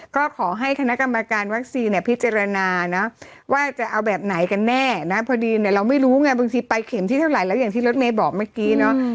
ก็ขอให้คณะกรรมการวัคซีนเนี่ยพิจารณานะว่าจะเอาแบบไหนกันแน่นะพอดีเนี่ยเราไม่รู้ไงบางทีไปเข็มที่เท่าไหร่แล้วอย่างที่รถเมย์บอกเมื่อกี้เนาะ